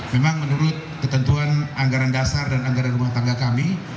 memang menurut ketentuan anggaran dasar dan anggaran rumah tangga kami